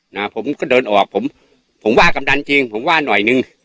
นะผมก็เดินออกผมผมว่ากำดันจริงผมว่าหน่อยนึง